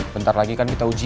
bentar lagi kan kita uji